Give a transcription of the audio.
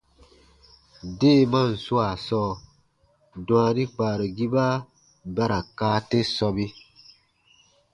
Deemaan swaa sɔɔ, dwaani kpaarugiba ba ra kaa te sɔbe.